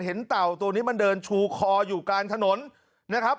เต่าตัวนี้มันเดินชูคออยู่กลางถนนนะครับ